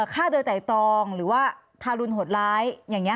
ฆ่าโดยไตรตองหรือว่าทารุณโหดร้าย